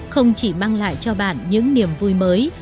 không chỉ mang lại cho bạn những niềm vui mới